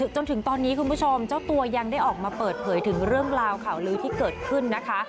จนถึงตอนนี้คุณผู้ชมเจ้าตัวยังได้ออกมาเปิดเผยถึงเรื่องราวข่าวลื้อที่เกิดขึ้นนะคะ